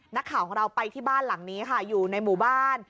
นักข่าวของเราไปที่บ้านหลังนี้ค่ะอยู่ในหมู่บ้าน